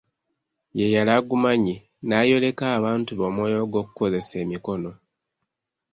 Ye yali agumanyi n'ayoleka abantu be omwoyo gw'okukozesa emikono.